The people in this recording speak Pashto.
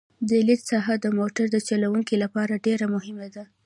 د لید ساحه د موټر چلوونکي لپاره ډېره مهمه ده